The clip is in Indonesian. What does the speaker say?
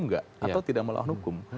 enggak atau tidak melawan hukum